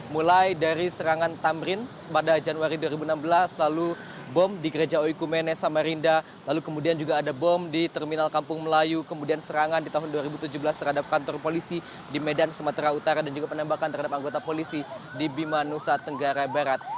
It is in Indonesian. mulai dari serangan tamrin pada januari dua ribu enam belas lalu bom di gereja oikumene samarinda lalu kemudian juga ada bom di terminal kampung melayu kemudian serangan di tahun dua ribu tujuh belas terhadap kantor polisi di medan sumatera utara dan juga penembakan terhadap anggota polisi di bima nusa tenggara barat